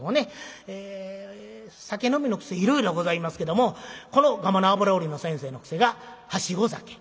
え酒飲みの癖いろいろございますけどもこのがまの油売りの先生の癖がはしご酒。